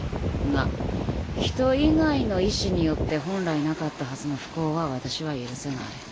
が人以外の意思によって本来なかったはずの不幸は私は許せない。